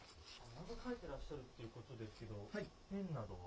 漫画描いてらっしゃるということですけれども、ペンなどは？